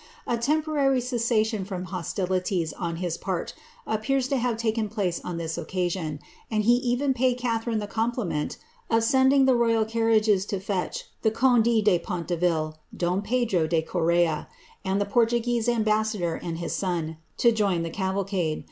A temporary cessation from hostilities, on his part, appears to have taken place on this occasion, and he even paid Catharine the compliment of lending the royal carriages to fetch the condc de Pontevcl, don Pedro de Corea, and the Portuguese ambassador and his son, to join the caval cade.